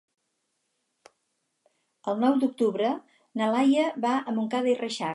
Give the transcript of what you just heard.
El nou d'octubre na Laia va a Montcada i Reixac.